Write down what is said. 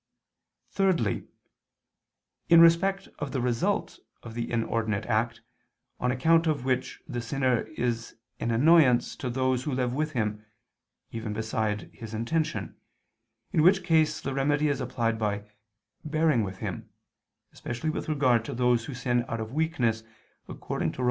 Thirdly, in respect of the result of the inordinate act, on account of which the sinner is an annoyance to those who live with him, even beside his intention; in which case the remedy is applied by bearing with him, especially with regard to those who sin out of weakness, according to Rom.